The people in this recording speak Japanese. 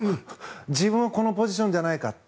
自分はこのポジションじゃないかと。